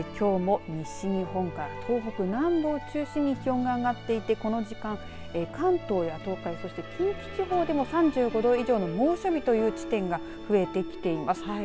きょうも西日本から東北南部を中心に気温が上がっていてこの時間、関東や東海そして近畿地方も３５度以上の猛暑日という地点が増えています。